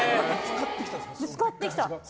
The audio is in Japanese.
ぶつかってきた。